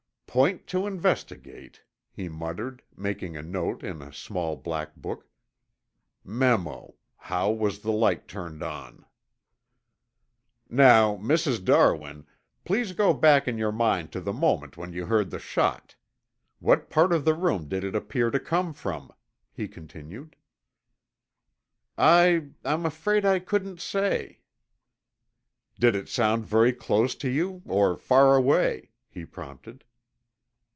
"Point to investigate," he muttered, making a note in a small black book. "Memo: How was the light turned on? "Now, Mrs. Darwin, please go back in your mind to the moment when you heard the shot. What part of the room did it appear to come from?" he continued. "I I'm afraid I couldn't say." "Did it sound very close to you, or far away?" he prompted.